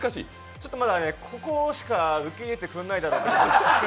ちょっと、まだここしか受け入れてくれないので。